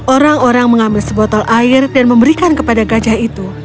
orang orang mengambil sebotol air dan memberikan kepada gajah itu